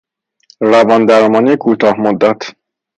روان درمانی کوتاه مدت